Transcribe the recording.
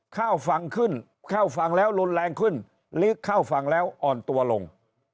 เข้าฝั่งขึ้นเข้าฝั่งแล้วรุนแรงขึ้นหรือเข้าฝั่งแล้วอ่อนตัวลง